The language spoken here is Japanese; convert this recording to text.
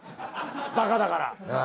バカだから！